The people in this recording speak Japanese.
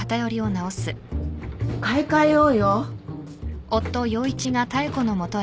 買い替えようよ。